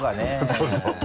そうそう